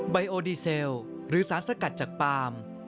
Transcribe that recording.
ไอโอดีเซลหรือสารสกัดจากปาล์ม